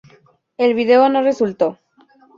El video no resultó.